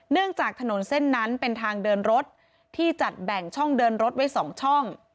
จากถนนเส้นนั้นเป็นทางเดินรถที่จัดแบ่งช่องเดินรถไว้๒ช่อง